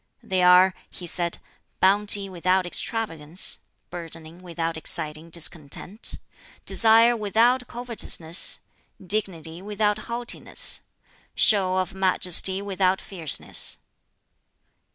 "They are," he said, "Bounty without extravagance; burdening without exciting discontent; desire without covetousness; dignity without haughtiness; show of majesty without fierceness."